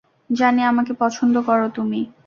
জানি, আমাকে পছন্দ করো তুমি!